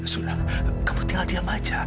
sudah kamu tinggal diam saja